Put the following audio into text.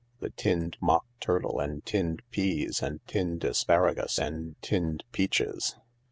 The tinned mock turtle and tinned peas and tinned asparagus and tinned peaches.